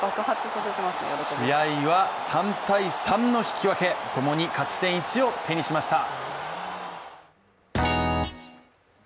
試合は３−３の引き分け、ともに勝ち点１を手にしました。